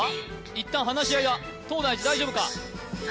一旦話し合いだ東大寺大丈夫か？